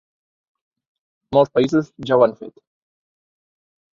Molts països ja ho han fet.